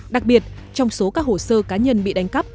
đặc biệt trong số các hồ sơ cá nhân bị đánh cắp